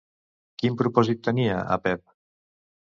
Quin propòsit tenia Apep?